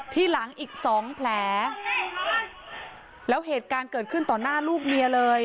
ที่หลังอีกสองแผลแล้วเหตุการณ์เกิดขึ้นต่อหน้าลูกเมียเลย